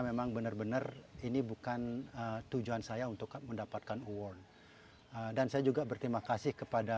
memang benar benar ini bukan tujuan saya untuk mendapatkan award dan saya juga berterima kasih kepada